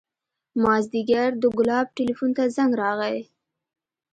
مازديګر د ګلاب ټېلفون ته زنګ راغى.